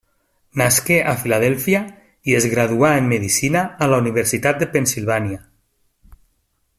Nasqué a Filadèlfia i es graduà en medicina a la Universitat de Pennsilvània.